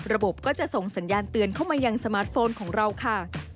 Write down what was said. ก็จะส่งสัญญาณเตือนเข้ามายังสมาร์ทโฟนของเราค่ะ